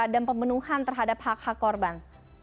dan pemenuhan terhadap hak hak korban